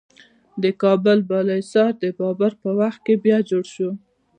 د کابل بالا حصار د بابر په وخت کې بیا جوړ شو